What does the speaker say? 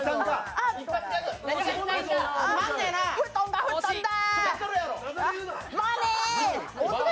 布団がふっとんだ！